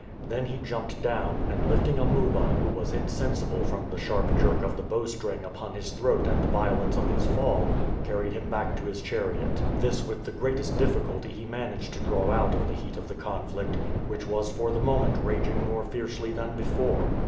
Then he jumped down, and lifting Amuba, who was insensible from the sharp jerk of the bowstring upon his throat and the violence of his fall, carried him back to his chariot. This with the greatest difficulty he managed to draw out of the heat of the conflict, which was for the moment raging more fiercely than before.